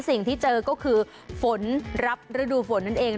สิ่งที่เจอก็คือฝนรับฤดูฝนนั่นเอง